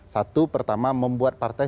satu pertama membuat partai